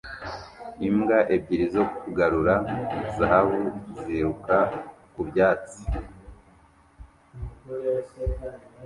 Imbwa ebyiri zo kugarura zahabu ziruka ku byatsi